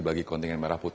bagi kontingen merah